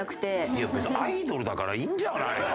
いや別にアイドルだからいいんじゃないかな？